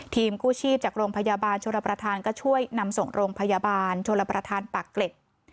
กู้ชีพจากโรงพยาบาลชนประธานก็ช่วยนำส่งโรงพยาบาลชนประธานปากเกร็ด